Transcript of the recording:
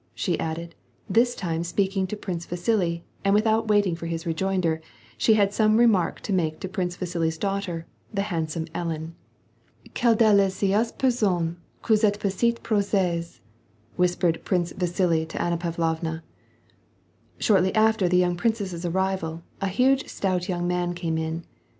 " she added, this time speaking to Prince Vasili, and without waiting for his rejoinder, she had some remark to make to Prince Vasili's daughter, the handsome Ellen. " Quelle delicieuse personne que cette petite princesse /" whispered Prince VasQi to Anna Pavlovna. Shortly after the young princess's arrival, a huge, stout young man came in.